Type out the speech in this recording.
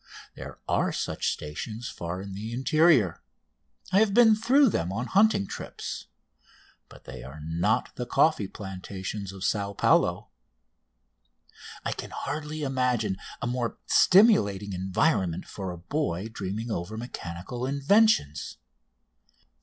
There are such stations far in the interior. I have been through them on hunting trips, but they are not the coffee plantations of Sao Paulo. I can hardly imagine a more stimulating environment for a boy dreaming over mechanical inventions.